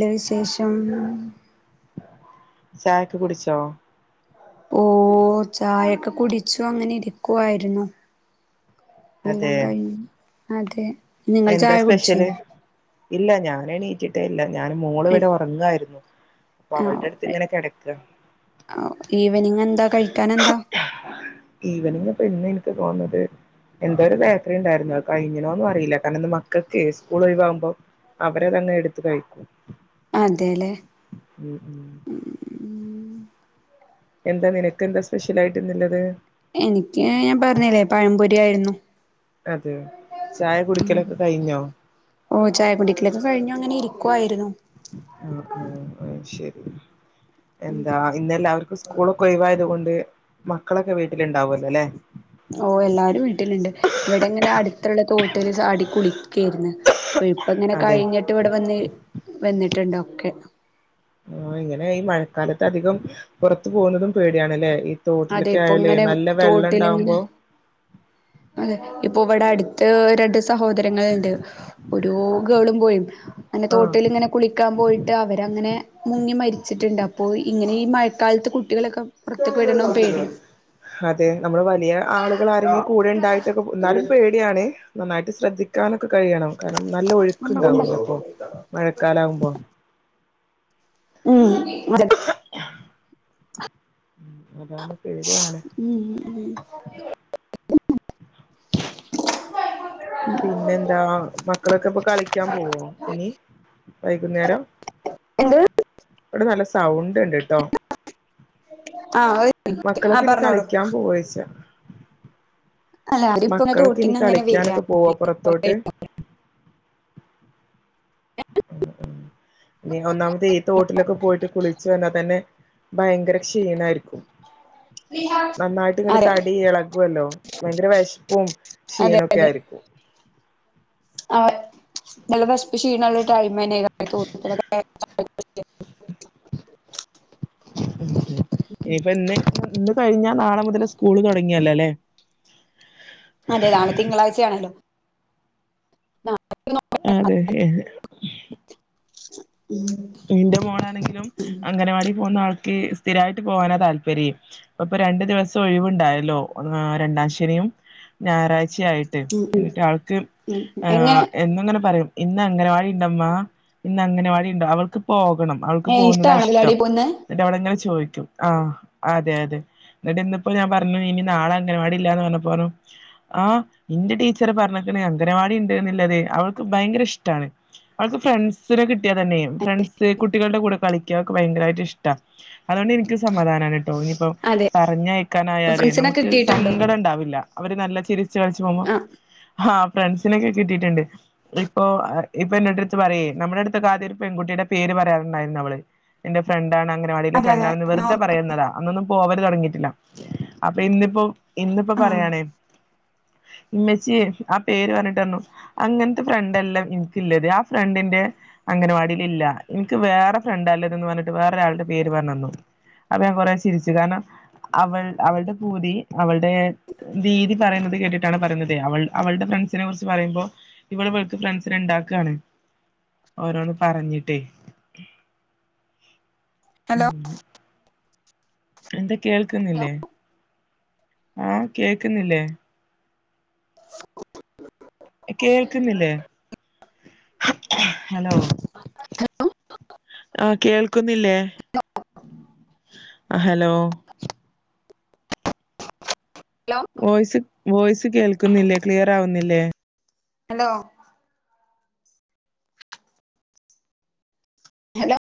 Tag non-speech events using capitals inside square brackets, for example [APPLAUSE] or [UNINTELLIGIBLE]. നല്ലവിശേഷം ചായക്കെ കുടിച്ചോ ഓ ചായൊക്കെ കുടിച്ചു അങ്ങനെ ഇരിക്കുവായിരുന്നു അതെ എല്ലാം കഴിഞ്ഞു അതെ നിങ്ങള്ൾ എന്താ ചായ കുടിച്ചു സ്പെഷ്യല് ഇല്ല ഞാന എണീറ്റിട്ടേ ഇല്ല ഞാൻ മോള് എ ഇവിടെ ഉറങ്ങായിരുന്നു അപ്പൊ അവളടെ അടുത്ത് ഓക്കെ. ഇങ്ങനെ കിടക്ക ആ ഈവനിങ് എന്താ കഴിക്കൻ എന്താ അപ്പൊ ഇന്ന് എനിക്ക് തോന്നുന്നത് എന്തോ ഒരുബേക്കറിഉണ്ടായിരുന്നു കഴഞ്ഞനോ ഒന്നും അറിയില്ല കാരണം മക്കൾക്ക് സ്കൂൾ ഒഴിവാകുമ്പോ അവരതങ്ങ് എടുത്ത് കഴിക്കും അതെല്ലേ മ ഉ എന്താ നിനക്ക് എന്താ സ്പെഷ്യൽ ആയിട്ടുള്ളത് എനിക്ക് ഞാൻ പറഞ്ഞില്ലേ പഴംപൊരി ആയിരുന്നു അതെ ചായ കുടിക്കലൊക്കെ കഴിഞ്ഞോ ഓ ചായപ്പൊടിക്കലൊക്കെ കഴിഞ്ഞു അങ്ങനെരിക്ക നക്കുവായിരുന്നു ആആആ ശരി എന്താ ഇന്നെല്ലാവർക്കും സ്കൂളൊക്കെ ഒഴവാ തു കൊണ്ട് മക്കളൊക്കെ വീട്ടിലുണ്ടാവുമല്ലോ അല്ലെ ഓ എല്ലാരും വീട്ടിലുണ്ട് ഇവിടെങ്ങനെ അടുത്തുള്ള തോട്ടില് ചാടി കുളിക്കായിരുന്നു അപ്പൊ ഇപ്പ ഇങ്ങനെ അതെ കഴിഞ്ഞിട്ട് ഇവിടെ വന്ന് വന്നിട്ടുണ്ടോ ക്കെ ആ ഇങ്ങനെ ഈ മഴക്കാലത്ത് അധികം പുറത്തു പോകുന്നതും പേടിയണല്ലേ അതെ ഇപ്പൊ ഇങ്ങനെ തോട്ടിലിങ്ങനെ അതെ ഇപ്പൊ ഇവിടെ അടുത്ത് രണ്ട് സഹോദരങ്ങളുണ്ട് ഒരു ഗേളുംബോയും അന്നെ ആഹ് തോട്ടൽ ഇങ്ങനെ കുളിക്കാൻ പോയിട്ട് ട്ട് അവരങ്ങനെ മുങ്ങി മരിച്ചിട്ടുണ്ട് അപ്പോ ഇങ്ങനെ ഈ മഴക്കാലത്ത് കുട്ടികളൊക്കെ പുറത്തക്ക് വിടണം പേടിയ അതെ നമ്മള് വലിയ ആളുകൾ ആരെങ്കി കൂടെ ഉണ്ടായിട്ടൊക്കെ എന്നാലും പേടിയാണ് നന്നായിട്ട് ശ്രദ്ധിക്കാനൊക്കെ കഴിയണം കാരണം നല്ല ഒഴുക്ക്ണ്ടാവൂല്ലോ ഇപ്പോ മഴക്കാലവുമ്പോ ഉം അതെ അതാണ് പേടിയാണ് ഉം ഉം [UNINTELLIGIBLE] പിന്നെന്താ മക്കളൊക്കെപ്പൊ കളിക്കാൻ പോവോ ഇനി വൈകുന്നേരം എന്ത് ഇവിടെ നല്ല സൗണ്ട് ഉണ്ട്ട്ടോ ആ ആ മക്കളൊക്കെ ഇനി പറഞ്ഞോളൂ കളിക്കാൻ പോവോയ്ച്ച അല്ല അതിപ്പൊ മക്കളൊക്കെ ഇനി തോട്ടിൽന്ന്ങ്ങനെ വരാ കളിക്കാനൊക്കെ പോവോ പുറത്തോട്ട് [UNINTELLIGIBLE] ഒന്നാമത് ഈ തോട്ടിലൊക്കെ പോയിട്ട് കുളിച്ചു വന്നാതന്നെ ഭയങ്കര ക്ഷീണായിരിക്കും [UNINTELLIGIBLE] നന്നായിട്ട്ങ്ങട്ട് അതെ തടി ഇളകുവല്ലോ ഭയങ്കര വിഷപ്പും ക്ഷീണൊക്കെ ആയിരിക്കും [UNINTELLIGIBLE] ആ നല്ല വെശപ്പും ക്ഷീണുള്ള ടൈം [UNINTELLIGIBLE] [UNINTELLIGIBLE] ഇനിയിപ്പ ഇന്ന് ഇന്ന് കഴിഞ്ഞ നാളെ മുതൽ സ്കൂള് തുടങ്ങിയല്ലോലെ അതെ നാളെ തിങ്കളാഴ്ചയാണല്ലോ അതെ ഹേ ഹേ [UNINTELLIGIBLE] ന്റെ മോളാണെങ്കിലും അംഗനവാടി പോകുന്ന ആൾ സ്ഥിരായിട്ട് പോകാനാ താല്പര്യ ഇപ്പ ഇപ്പൊ രണ്ടു ദിവസം ഒഴിവുണ്ടായല്ലോ രണ്ടാം ശനിയും ഞായറാഴ്ചയായിട്ട് ഉം ഉം എന്നിട്ട് ആൾക്ക് ഉം ആ എങ്ങനെ എന്നുങ്ങനെ പറിം ഇന്ന് അങ്ങനവാടിണ്ടമ്മ ഇന്ന് അങ്ങനവാടി ഉണ്ടോ അവൾക്ക്പ്പോ ണം അവൾക്ക് ഏ ഇഷ്ടാണോ പോകുന്നതാഷ്ടം അതിലാടി പോവുന്നെ ന്നിട്ട് അവിളങ്ങനെ ചോദിക്കും ആ അതെ അതെ എന്നിട്ട് ഇന്നിപ്പോ ഞാൻ പറഞ്ഞു ഇനി നാളെ അങ്ങൻവാടി ഇല്ലന്ന് പറഞ്ഞപോ ആ ന്റെ ടീച്ചറ് പറ അങ്കനവാടിണ്ടന്ന്ള്ളതെ അവൾക്ക് ഭയങ്കരഷ്ടാണ് അവൾക്ക് ഫ്രണ്ട്സിനെ കിട്ടിയാതന്നെ ഫ്രണ്ട്സ് കുട്ടികളുടെ കൂടെ കളിക്കക്കെ ഭയങ്കരമായിട്ട് ഇഷ്ട അതോണ്ട് ഇൻക്ക് സമാധാനാണ്ട്ടോ ഞ്പ്പോ അതെ ഇപ്പൊ പറഞ്ഞയക്കാനായാലേ ഫ്രണ്ട്സിനെ നമുക്ക് കിട്ടിയിട്ടുണ്ടോ സങ്കടംണ്ടാവില്ല അവര് നല്ല ചിരി ച്ച് കളിച്ചു പോകുമ്പോ ആഹ് ആ ഫ്രണ്ട്സിനൊക്കെ കിട്ടിയിട്ടുണ്ട് ഇപ്പൊ ഇപ്പൊ എന്നോട്ടട്ത് പറയേ നമ്മുടെടുത്ത കാര്യേ പെൺകുട്ടിയുടെ പേര് പറയാറുണ്ടായിരുന്നു അവള് എന്റെ ഫ്രണ്ടാണ് അങ്ങനെ എന്റെ ഫ്രണ്ടാണ് വെറുതെ പറയുന്നതാ അന്നൊന്നും പോവല് തുടങ്ങിയിട്ടില്ല അപ്പൊ ഇന്നിപ്പോ ഇന്നിപ്പോ പറയാണേ ഉമ്മച്ചിയേ ആ പേര് പറഞ്ഞിട്ടറഞ്ഞു അങ്ങനത്തെ ഫ്രണ്ട്ല്ലാ ഇൻക്കിള്ളത് ആ ഫ്രണ്ടിന്റെ അങ്ങനെവാടിലില്ല ഇൻക്ക് വേറെ ഫ്രണ്ട്ല്ലത് ന്ന് പറഞ്ഞിട്ട് വേറെരാളുടെ പേര് പറഞ്ഞെന്നു അപ്പൊ ഞാൻ കൊറേ ചിരിച്ചു കാരണം അവൾ അവളുടെ പൂതി അവളുടെ ദീതി പറയുന്നത് കേട്ടിട്ടാണ് പറയന്നതേ അവൾ അവളുടെ നെ കുറിച്ചുപറയ്മ്പോ ഇവൾ ഇവൾക്ക് ഫ്രണ്ട്സിനെ ഉണ്ടാക്കാണ് ഓരോ പറഞ്ഞിട്ടേ ഹലോ എന്താ കേൾക്കുന്നില്ലേ ആ കേൾക്കുന്നില്ലേ കേൾക്കുന്നില്ലേ ഹലോ [UNINTELLIGIBLE] ആ കേൾക്കുന്നില്ലേ ഹലോ വോയിസ് വോയിസ് കേൾക്കുന്നില്ലേ ക്ലിയർ ആവുന്നില്ലേ ഹലോ ഹലോ